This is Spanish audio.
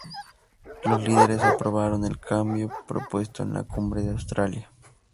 Los líderes aprobaron el cambio propuesto en la cumbre de Australia.